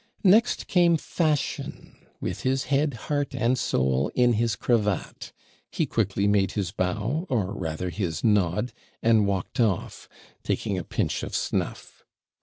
Next came fashion, with his head, heart, and soul in his cravat he quickly made his bow, or rather his nod, and walked off, taking a pinch of snuff.